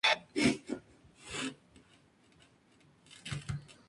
La relación de aspecto de un pixel describe esta diferencia.